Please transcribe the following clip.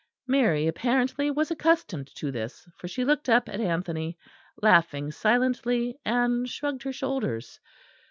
Mary apparently was accustomed to this; for she looked up at Anthony, laughing silently, and shrugged her shoulders.